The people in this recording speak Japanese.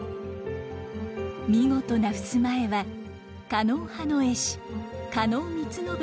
見事な襖絵は狩野派の絵師狩野光信の手によるもの。